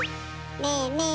ねえねえ